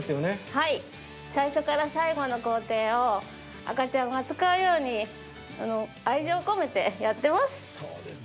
はい、最初から最後の工程を赤ちゃんを扱うように愛情を込めてやってます。